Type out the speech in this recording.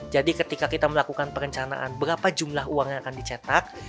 jadi ketika kita melakukan perencanaan berapa jumlah uang yang akan dicetak